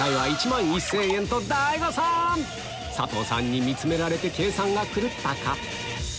大誤算‼佐藤さんに見つめられて計算が狂ったか？